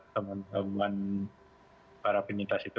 teman teman para penyintas itu